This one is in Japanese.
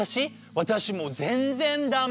私もう全然ダメ。